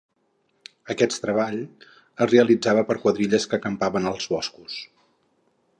Aquest treball es realitzava per quadrilles que acampaven als boscos.